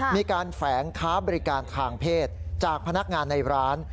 แฝงค้าบริการทางเพศจากพนักงานในร้าน